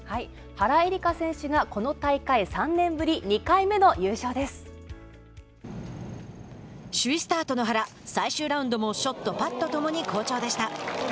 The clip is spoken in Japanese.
原英莉花選手がこの大会３年ぶり首位スタートの原最終ラウンドもショット、パットともに好調でした。